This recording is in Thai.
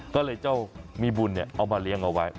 ก็เลยเจ้ามีบุญเอามาเลี้ยงเอาไว้